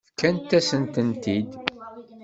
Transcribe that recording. Fkant-asent-tent-id.